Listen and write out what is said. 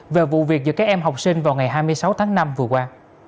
về vụ việc giữa các em học sinh vào ngày hai mươi sáu tháng năm vừa qua